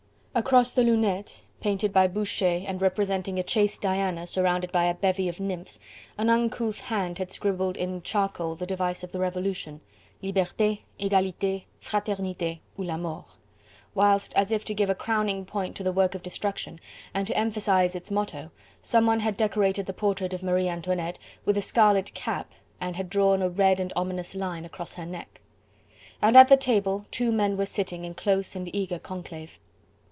Across the Lunette, painted by Boucher and representing a chaste Diana surrounded by a bevy of nymphs, an uncouth hand had scribbled in charcoal the device of the Revolution: Liberte, Egalite, Fraternite ou la Mort; whilst, as if to give a crowning point to the work of destruction and to emphasise its motto, someone had decorated the portrait of Marie Antoinette with a scarlet cap, and drawn a red and ominous line across her neck. And at the table two men were sitting in close and eager conclave.